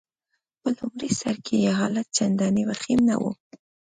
په لمړي سر کي يې حالت چنداني وخیم نه وو.